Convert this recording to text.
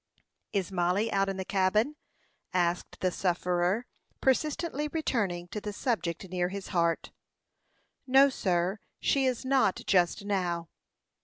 "Is Mollie out in the cabin?" asked the sufferer, persistently returning to the subject near his heart. "No, sir; she is not, just now."